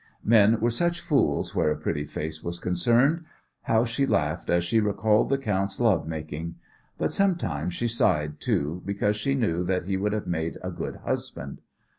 Men were such fools where a pretty face was concerned! How she laughed as she recalled the count's love making! But sometimes she sighed, too, because she knew that he would have made a good husband.